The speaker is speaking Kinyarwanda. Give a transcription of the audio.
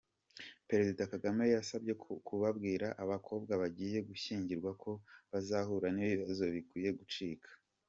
Perezida Kagame yasabye ko kubwira abakobwa bagiye gushyingirwa ko bazahura n’ibibazo bikwiye gucika